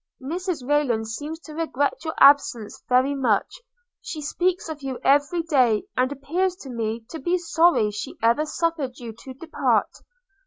Mrs Rayland seems to regret your absence very much; she speaks of you every day, and appears to me to be sorry she ever suffered you to depart.